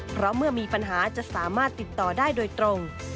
เพราะเมื่อมีปัญหาจะสามารถติดต่อได้โดยตรง